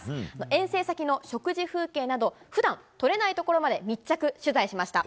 遠征先の食事風景など、ふだん撮れないところまで密着取材しました。